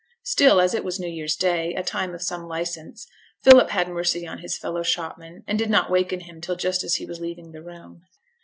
Still, as it was new year's Day, a time of some licence, Philip had mercy on his fellow shopman, and did not waken him till just as he was leaving the room.